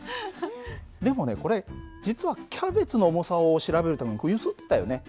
でもねこれ実はキャベツの重さを調べるためにこう揺すってたよね